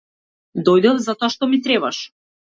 Дојдов затоа што ми требаш.